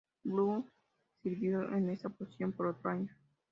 Blunt sirvió en esa posición por otro año.